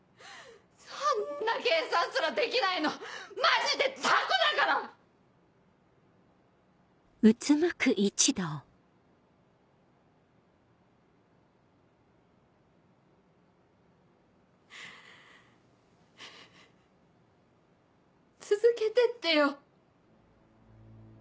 そんな計算すらできないのマジでタコだから‼続けてってよ。